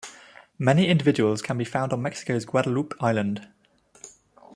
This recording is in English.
Many individuals can be found on Mexico's Guadalupe Island.